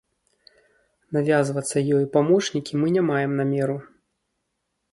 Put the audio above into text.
Навязвацца ёй у памочнікі мы не маем намеру.